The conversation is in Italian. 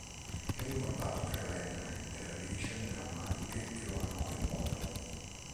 È ricordato prevalentemente per le vicende drammatiche che lo hanno coinvolto.